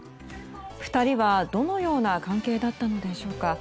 ２人はどのような関係だったのでしょうか。